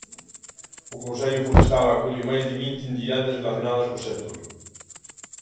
O Consello Forestal acolle máis de vinte entidades relacionadas co sector.